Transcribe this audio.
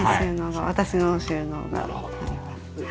私の収納があります。